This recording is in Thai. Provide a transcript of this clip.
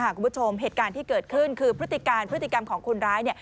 คุณผู้ชมเหตุการณ์ที่เกิดขึ้นคือพฤติการพฤติกรรมของคนร้าย